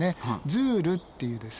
ズールっていうですね。